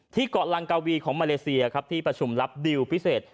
เกาะลังกาวีของมาเลเซียครับที่ประชุมรับดิวพิเศษ